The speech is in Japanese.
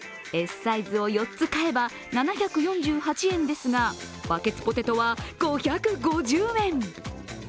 Ｓサイズを４つ買えば７４８円ですがバケツポテトは５５０円。